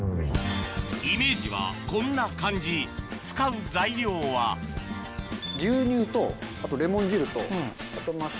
イメージはこんな感じ使う材料は使わないです。